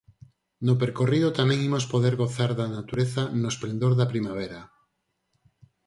No percorrido tamén imos poder gozar da natureza no esplendor da primavera.